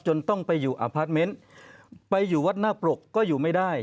ต้องไปอยู่อพาร์ทเมนต์ไปอยู่วัดหน้าปรกก็อยู่ไม่ได้